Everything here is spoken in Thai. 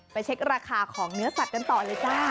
เช็คราคาของเนื้อสัตว์กันต่อเลยจ้า